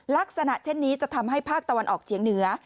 ลักษณะเช่นนี้จะทำให้ภาคตะวันออกเฉียงเหนือ